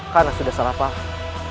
karena sudah salah paham